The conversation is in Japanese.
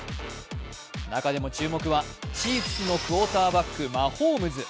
中でも注目はチーフスのクオーターバックマホームズ。